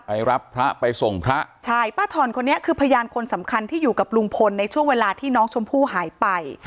ไปรับพระไปส่งพระใช่ป้าถอนคนนี้คือพยานคนสำคัญที่อยู่กับลุงพลในช่วงเวลาที่น้องชมพู่หายไป